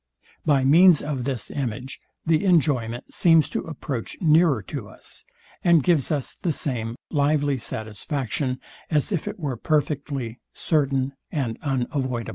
By means of this image the enjoyment seems to approach nearer to us, and gives us the same lively satisfaction, as if it were perfectly certain and unavoidable.